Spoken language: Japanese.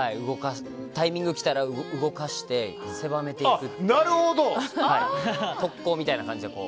タイミングが来たら動かして狭めていくっていう特効みたいな感じで。